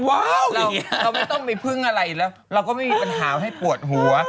เราไม่ต้องไปพึ่งอะไรอีกแล้วเราก็ไม่มีปัญหาให้ปวดหัว